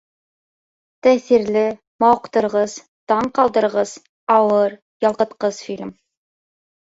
Тәьҫирле, мауыҡтырғыс, таң ҡалдырғыс, ауыр, ялҡытҡыс фильм